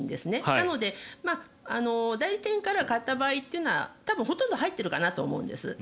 なので、代理店から買った場合というのはほとんど入っているかなと思うんです。